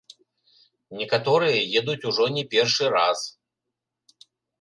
Некаторыя едуць ужо не першы раз.